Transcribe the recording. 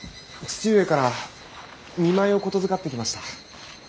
父上から見舞いを言づかってきました。